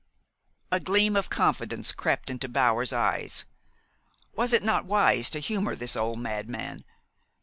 A gleam of confidence crept into Bower's eyes. Was it not wise to humor this old madman?